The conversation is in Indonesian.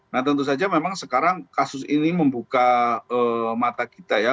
nah tentu saja memang sekarang kasus ini membuka mata kita ya